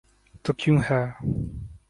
تو کیوں ہے؟